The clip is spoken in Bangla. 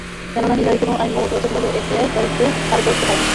কেননা, হিলারি কোনো আইন ভঙ্গ করেছেন বলে এফবিআই তাদের তদন্তে পায়নি।